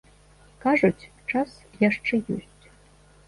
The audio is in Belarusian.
Кажуць, час яшчэ ёсць.